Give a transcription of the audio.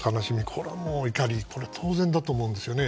これは怒り当然だと思うんですね。